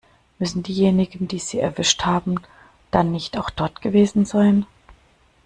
Müssen diejenigen, die sie erwischt haben, dann nicht auch dort gewesen sein?